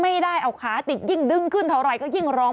ไม่ได้เอาขาติดยิ่งดึงขึ้นเท่าไหร่ก็ยิ่งร้อง